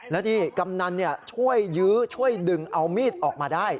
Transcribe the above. แล้วนี่กำนันช่วยยื้อช่วยดึงเอามีดออกมาได้